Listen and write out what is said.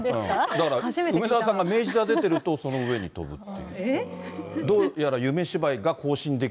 だから、梅沢さんが明治座出てると、その上に飛ぶと。